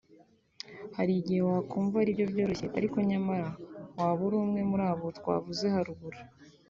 Hari igihe wakumva aribyo byoroshye ariko nyamara waba uri umwe muri abo twavuze haruguru